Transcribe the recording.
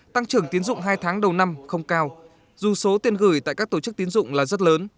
tăng trưởng tiến dụng hai tháng đầu năm không cao dù số tiền gửi tại các tổ chức tiến dụng là rất lớn